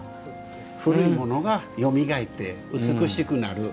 古いものがよみがえって美しくなる。